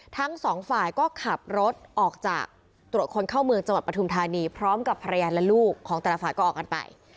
ทั้งสองฝ่ายก็ขับรถออกจากตรวจคนเข้าเมืองจังหวัดปฐุมธานีพร้อมกับภรรยาและลูกของแต่ละฝ่ายก็ออกกันไป